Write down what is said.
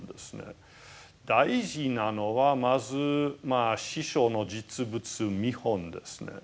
大事なのはまず師匠の実物見本ですね。